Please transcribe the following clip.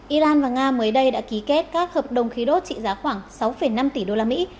iran và nga mới đây đã ký kết các hợp đồng khí đốt trị giá khoảng sáu năm tỷ usd